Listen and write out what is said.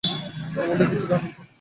আমাদের কিছু কাজ আছে।